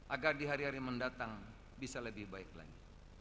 agar di hari hari mendatang bisa lebih baik lagi